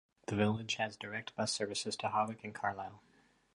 The village has direct bus services to Hawick and Carlisle.